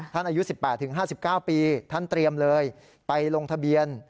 อายุ๑๘๕๙ปีท่านเตรียมเลยไปลงทะเบียน